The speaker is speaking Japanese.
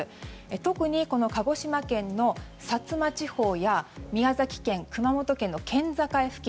特に鹿児島県の薩摩地方や宮崎県、熊本県の県境付近。